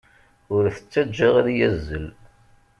Ur t-ttajja ad yazzel.